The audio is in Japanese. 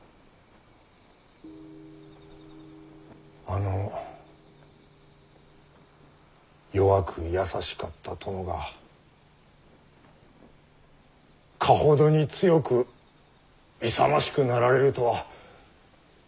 あの弱く優しかった殿がかほどに強く勇ましくなられるとは。